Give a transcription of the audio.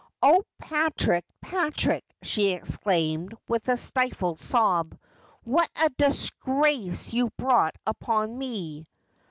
'Oh, Patrick, Patrick,' she exclaimed, with a stifled sob, ' what a disgrace you've brought upon me